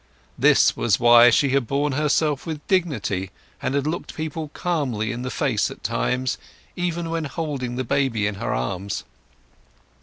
This was why she had borne herself with dignity, and had looked people calmly in the face at times, even when holding the baby in her arms.